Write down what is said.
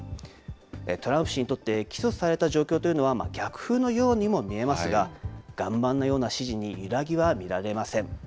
トランプ氏にとって起訴された状況というのは、逆風のようにも見えますが、岩盤のような支持に揺らぎは見られません。